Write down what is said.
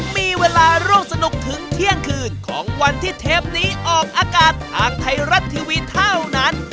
มีเวลาร่วมสนุกถึงเที่ยงคืนของวันที่เทปนี้ออกอากาศทางไทยรัฐทีวีเท่านั้น